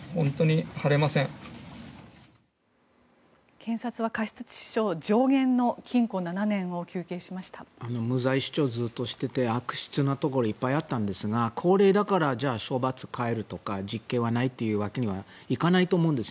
検察は過失致死傷上限の禁錮７年を無罪主張をずっとしてて悪質なところいっぱいあったんですが高齢だから処罰を変えるとか実刑はないというわけにはいかないと思うんです。